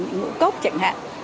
ngũ cốc chẳng hạn